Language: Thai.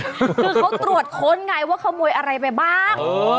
คือเค้าตรวจคนไงว่าเขม้วยอะไรไปบ้าง